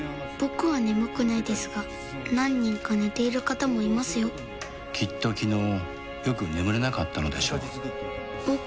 僕は眠くないですが何人か寝ている方もいますよきっと昨日よく眠れなかったのでしょう